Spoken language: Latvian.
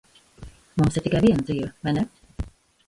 Mums ir tikai viena dzīve, vai ne?